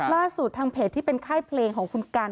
ล่าสุดทางเพจที่เป็นค่ายเพลงของคุณกัน